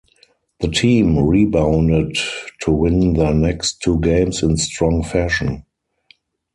The team rebounded to win their next two games in strong fashion.